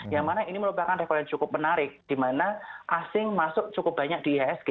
yang mana ini merupakan rekor yang cukup menarik di mana asing masuk cukup banyak di ihsg